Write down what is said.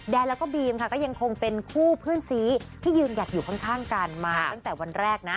แล้วก็บีมค่ะก็ยังคงเป็นคู่เพื่อนซีที่ยืนหยัดอยู่ข้างกันมาตั้งแต่วันแรกนะ